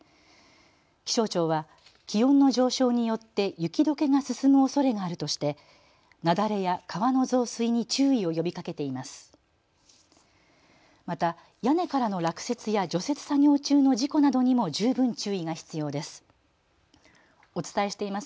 気象庁は気温の上昇によって雪どけが進むおそれがあるとして雪崩や川の増水に注意を呼びかけています。